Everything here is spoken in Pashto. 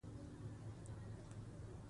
ایوب خان له هراته را رسېدلی وو.